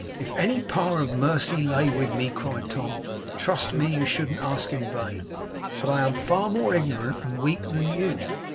'If any power of mercy lay with me,' cried Tom, 'trust me, you shouldn't ask in vain. But I am far more ignorant and weak than you.